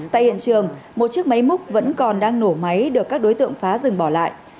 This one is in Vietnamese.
tại hiện trường một chiếc máy múc vẫn còn đang nổ máy được các đối tượng phá rừng bỏ lại